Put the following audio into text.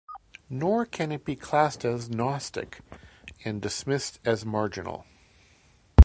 Nor can it be classed as "gnostic" and dismissed as marginal.